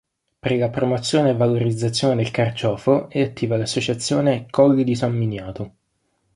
Per la promozione e valorizzazione del carciofo è attiva l'Associazione "Colli di San Miniato".